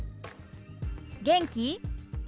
「元気？」。